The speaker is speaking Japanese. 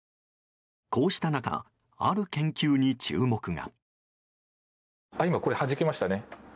こうした中、ある研究に注目が。